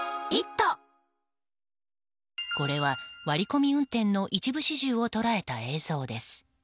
これは、割り込み運転の一部始終を捉えた映像です。